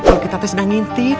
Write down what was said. pak kitapi sudah ngintip